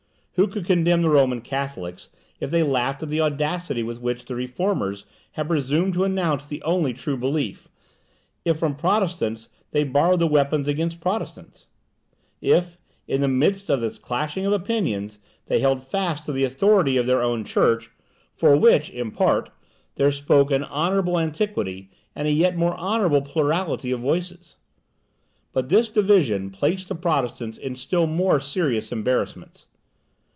Who could condemn the Roman Catholics, if they laughed at the audacity with which the Reformers had presumed to announce the only true belief? if from Protestants they borrowed the weapons against Protestants? if, in the midst of this clashing of opinions, they held fast to the authority of their own church, for which, in part, there spoke an honourable antiquity, and a yet more honourable plurality of voices. But this division placed the Protestants in still more serious embarrassments.